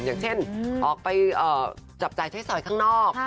อย่างเช่นออกไปจับจ่ายใช้สอยข้างนอก